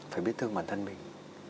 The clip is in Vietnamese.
phải biết thương bản thân mình